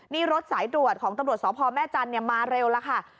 นี่รถสายตรวจของตำรวจสพแม่จันทร์มาเร็วแล้วค่ะ